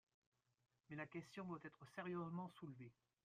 Mais la question doit être sérieusement soulevée.